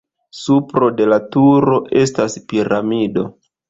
Supro de la turo estas piramido.